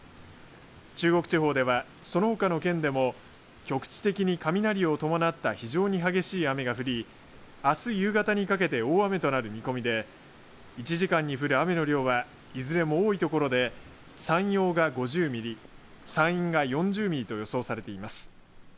中国地方では、そのほかの県でも局地的に雷を伴った非常に激しい雨が降りあす夕方にかけて大雨となる見込みで１時間に降る雨の量はいずれも多い所で山陽が５０ミリ山陰が４０ミリと予想されています。